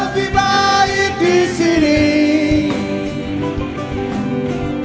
semuanya ada di sini